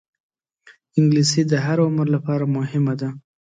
انګلیسي د هر عمر لپاره مهمه ده